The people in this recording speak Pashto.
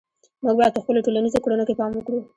موږ باید په خپلو ټولنیزو کړنو کې پام وکړو.